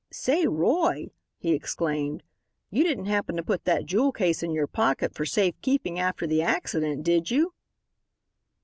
"Say, Roy," he exclaimed, "you didn't happen to put that jewel case in your pocket for safe keeping after the accident, did you?"